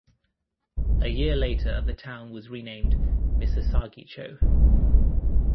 A year later, the town was renamed "Misasagi-cho".